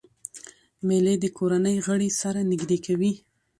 مېلې د کورنۍ غړي سره نږدې کوي.